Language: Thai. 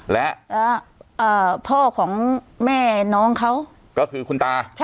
และพ่อของแม่น้องเขาก็คือคุณตา